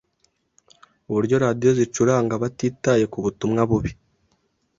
uburyo radiyo zizicuranga batitaye ku butumwa bubi